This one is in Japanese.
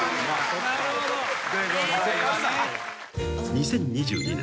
［２０２２年。